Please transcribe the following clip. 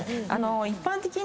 一般的に。